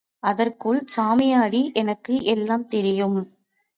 அதற்குள் சாமியாடி, எனக்கு எல்லாம் தெரியும்.